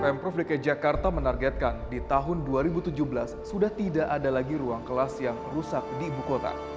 pemprov dki jakarta menargetkan di tahun dua ribu tujuh belas sudah tidak ada lagi ruang kelas yang rusak di ibu kota